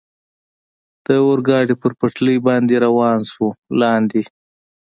د اورګاډي پر پټلۍ باندې روان شو، لاندې.